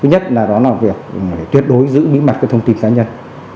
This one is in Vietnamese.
thứ nhất là đó là việc tuyệt đối giữ bí mật thông tin cá nhân